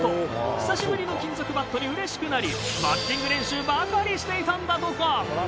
久しぶりの金属バットにうれしくなりバッティング練習ばかりしていたんだとか。